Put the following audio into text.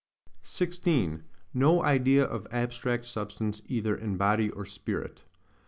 16. No Idea of abstract Substance either in Body or Spirit.